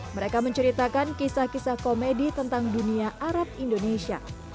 mereka menceritakan kisah kisah komedi tentang dunia arab indonesia